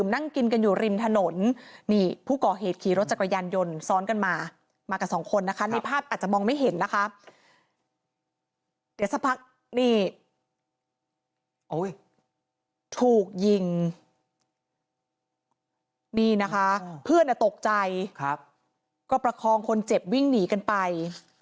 นี่ถูกยิงนี่นะคะเพื่อนตกใจก็ประคองคนเจ็บวิ่งหนีกันไป